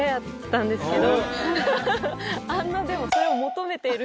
あんなでも。